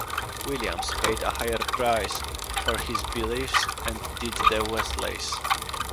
Williams paid a higher price for his beliefs than did the Wesleys.